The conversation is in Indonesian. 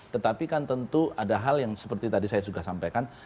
tetapi kan tentu ada hal yang seperti tadi saya sudah sampaikan